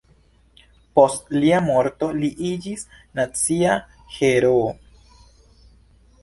Post lia morto li iĝis nacia heroo.